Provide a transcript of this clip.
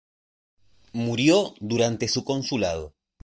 Murió durante su consulado.